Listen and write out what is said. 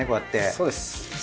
そうです。